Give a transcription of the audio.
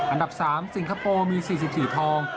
อันดับ๓สิงคโปร์มี๔๔ทอง